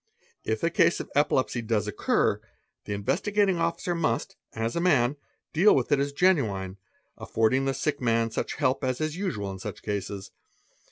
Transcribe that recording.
If a case of epilepsy does occur, the Investi: gating Officer must, as a man, deal with it as genuine, affording the sie! man such help as is usual in such cases.